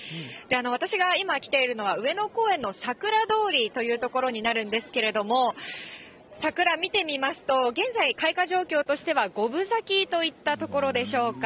私が今来ているのは、上野公園のさくら通りという所になるんですけれども、桜見てみますと、現在、開花状況としては５分咲きといったところでしょうか。